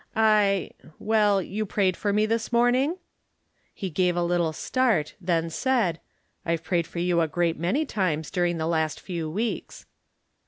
I r well, you prayed for me this morning ?" Pie gave a little start, then said :" I've prayed for you a great many times during the last few weeks."